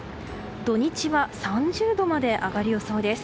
土日は、３０度まで上がる予想です。